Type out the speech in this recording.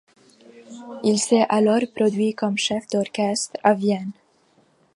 Il s'est alors produit comme chef d'orchestre à Vienne.